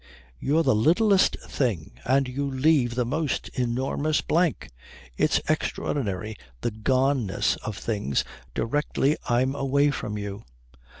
You're the littlest thing, and you leave the most enormous blank. It's extraordinary the goneness of things directly I'm away from you.